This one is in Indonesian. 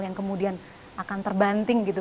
yang kemudian akan terbanting gitu